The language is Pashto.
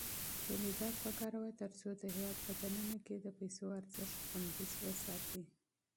تولیدات وکاروه ترڅو د هېواد په دننه کې د پیسو ارزښت خوندي وساتې.